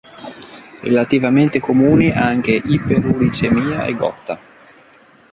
Relativamente comuni anche iperuricemia e gotta.